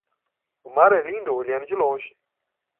O mar é lindo olhando de longe.